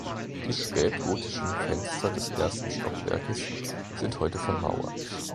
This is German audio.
Die spätgotischen Fenster des ersten Stockwerkes sind heute vermauert.